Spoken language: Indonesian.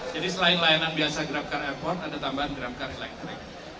jadi selain layanan biasa grab car airport ada tambahan grab car electric